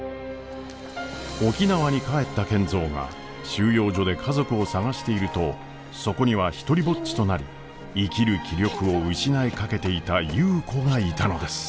沖縄に帰った賢三が収容所で家族を捜しているとそこには独りぼっちとなり生きる気力を失いかけていた優子がいたのです。